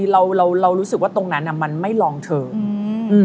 เรารู้สึกว่าตรงนั้นมันไม่ลองเทิม